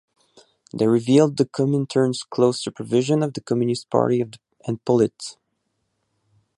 They revealed the Comintern's close supervision of the Communist Party and Pollitt.